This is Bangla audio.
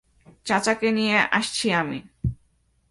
চাচাকে নিয়ে আসছি আমি।